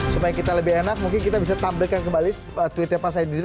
supaya kita lebih enak mungkin kita bisa tampilkan kembali tweetnya pak saiddin